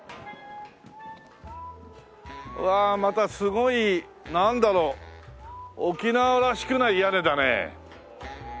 わあまたすごいなんだろう沖縄らしくない屋根だね。